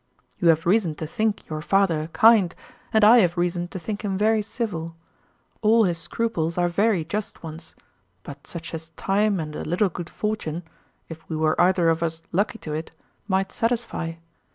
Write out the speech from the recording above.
You have reason to think your father kind, and I have reason to think him very civil; all his scruples are very just ones, but such as time and a little good fortune (if we were either of us lucky to it) might satisfy.